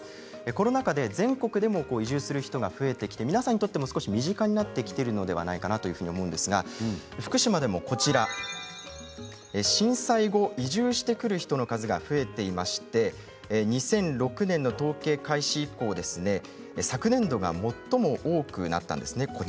コロナ禍で全国でも移住する人が増えてきて、皆さんにとっても身近になってきているのではないかなと思いますけれども福島でも震災後、移住してくる人の数が増えていまして２００６年の統計開始以降昨年度が最も多くなったんです。